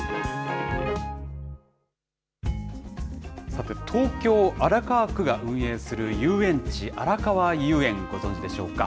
さて東京・荒川区が運営する遊園地、あらかわ遊園、ご存じでしょうか。